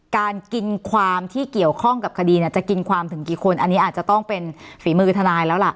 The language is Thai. การกินความที่เกี่ยวข้องกับคดีเนี่ยจะกินความถึงกี่คนอันนี้อาจจะต้องเป็นฝีมือทนายแล้วล่ะ